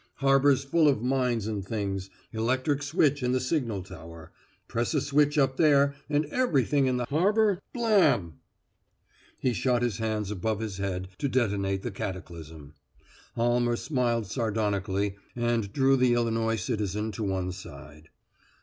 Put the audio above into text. Harbor's full of mines and things; electric switch in the signal tower. Press a switch up there, and everything in the harbor Blam!" He shot his hands above his head to denote the cataclysm. Almer smiled sardonically and drew the Illinois citizen to one side.